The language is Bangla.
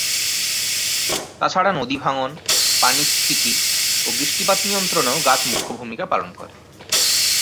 তাছাড়া নদী ভাঙন, পানি স্ফীতি ও বৃষ্টিপাত নিয়ন্ত্রণেও গাছ মুখ্য ভূমিকা পালন করে।